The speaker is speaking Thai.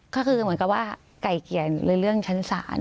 ก็คือเหมือนกับว่าไก่เกลียดหรือเรื่องชั้นศาล